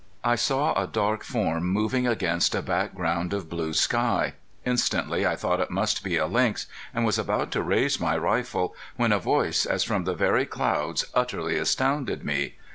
I saw a dark form moving against a background of blue sky. Instantly I thought it must be a lynx and was about to raise my rifle when a voice as from the very clouds utterly astounded me.